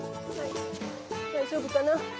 大丈夫かな？